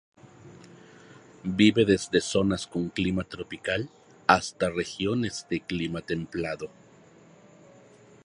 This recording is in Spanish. Vive desde zonas con clima tropical hasta regiones de clima templado.